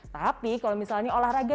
tapi kalau misalnya olahraga